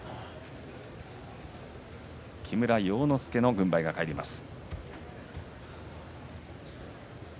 木村要之助の軍配が返ります。